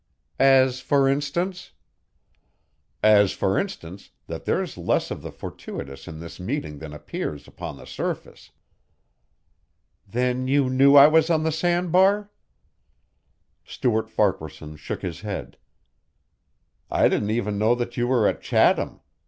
'" "As for instance?" "As for instance that there's less of the fortuitous in this meeting than appears upon the surface." "Then you knew I was on the sandbar?" Stuart Farquaharson shook his head. "I didn't even know that you were at Chatham.